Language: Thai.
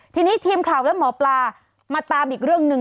ทีนี้ทีมข่าวและหมอปลามาตามอีกเรื่องหนึ่ง